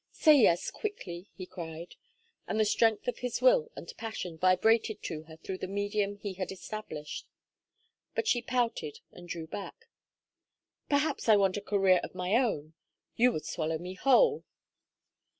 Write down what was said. "Say yes quickly," he cried, and the strength of his will and passion vibrated to her through the medium he had established. But she pouted and drew back. "Perhaps I want a career of my own. You would swallow me whole."